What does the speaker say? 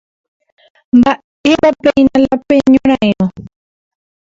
¡Mba'épapeína la peñorairõ!